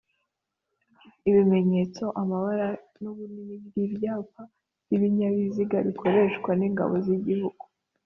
Ibimenyetso, amabara n’ubunini by’ibyapa by’ibinyabiziga bikoreshwa n’ Ingabo z’Igihugu